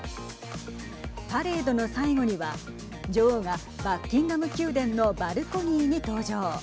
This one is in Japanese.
パレードの最後には女王がバッキンガム宮殿のバルコニーに登場。